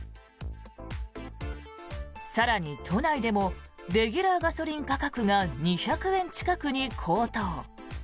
更に都内でもレギュラーガソリン価格が２００円近くに高騰。